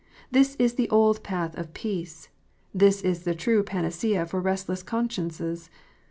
This is the old path of peace. This is the true panacea for restless consciences.